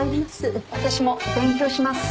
私も勉強します。